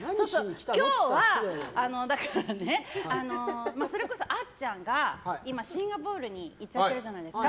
今日はそれこそ、あっちゃんが今、シンガポールに行っちゃってるじゃないですか。